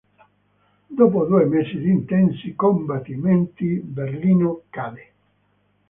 Dopo due mesi di intensi combattimenti, Berlino cadde.